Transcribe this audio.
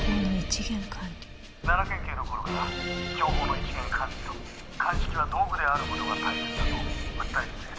「奈良県警の頃から情報の一元管理と鑑識は道具である事が大切だと訴え続けてきた」